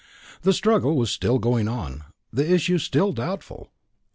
The struggle was still going on the issue still doubtful.